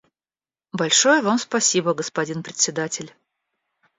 Большое Вам спасибо, господин Председатель.